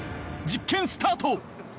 ［実験スタート］